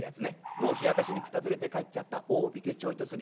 もうひやかしにくたびれて帰っちゃった大引けちょいと過ぎ